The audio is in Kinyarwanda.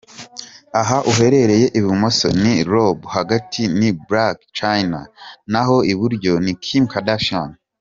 Aha uhereye ibumoso, ni Rob, hagati ni Black Chyna naho iburyo ni Kim Kardashian.